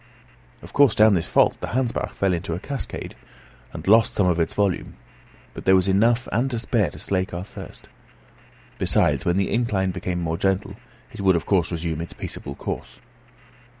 Of course, down this fault the Hansbach fell in a cascade, and lost some of its volume; but there was enough and to spare to slake our thirst. Besides, when the incline became more gentle, it would of course resume its peaceable course.